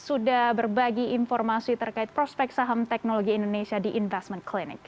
sudah berbagi informasi terkait prospek saham teknologi indonesia di investment clinic